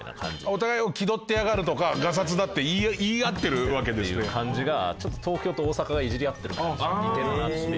お互いを「気取ってやがる」とか「がさつだ」って言い合ってる？っていう感じがちょっと東京と大阪がイジり合ってる感じに似てるなっていう。